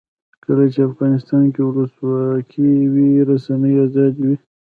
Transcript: کله چې افغانستان کې ولسواکي وي رسنۍ آزادې وي.